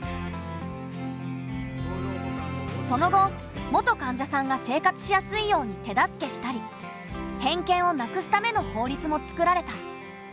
その後元患者さんが生活しやすいように手助けしたり偏見をなくすための法律も作られた。